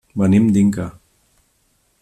Venim d'Inca.